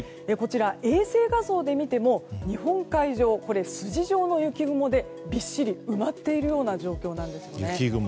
衛星画像で見ても、日本海上筋状の雪雲で、びっしりと埋まっているような状況ですね。